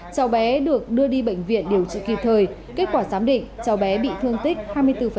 cháu bé được đưa đi bệnh viện điều trị kịp thời kết quả giám định cháu bé bị thương tích hai mươi bốn